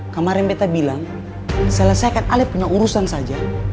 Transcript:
kemarin betta bilang selesaikan ale punya urusan saja